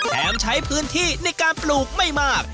ใช้พื้นที่ในการปลูกไม่มาก